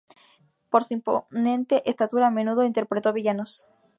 Por su imponente estatura, a menudo interpretó villanos.